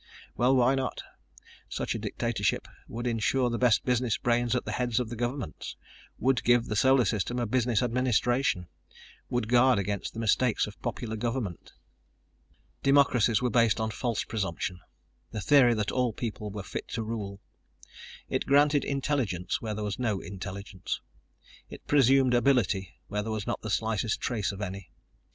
Well, why not? Such a dictatorship would insure the best business brains at the heads of the governments, would give the Solar System a business administration, would guard against the mistakes of popular government. Democracies were based on a false presumption the theory that all people were fit to rule. It granted intelligence where there was no intelligence. It presumed ability where there was not the slightest trace of any.